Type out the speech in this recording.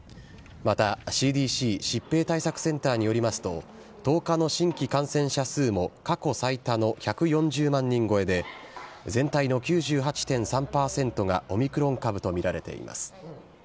また、ＣＤＣ・疾病対策センターによりますと、１０日の新規感染者数も過去最多の１４０万人超えで、全体の９８．３％がオミクロン株と見られています。